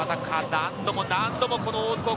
何度も何度も大津高校。